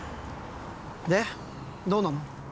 でどうなの？